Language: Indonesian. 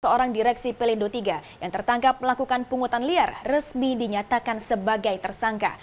seorang direksi pelindo iii yang tertangkap melakukan pungutan liar resmi dinyatakan sebagai tersangka